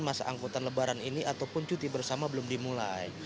masa angkutan lebaran ini ataupun cuti bersama belum dimulai